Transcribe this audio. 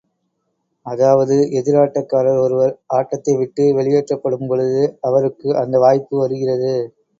அதாவது எதிராட்டக்காரர் ஒருவர் ஆட்டத்தை விட்டு வெளியேற்றப்படும்பொழுது, அவருக்கு அந்த வாய்ப்பு வருகிறது.